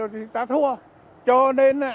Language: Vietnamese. thì ta thua cho nên